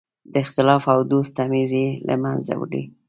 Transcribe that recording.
د اختلاف او دوست تمیز یې له منځه وړی.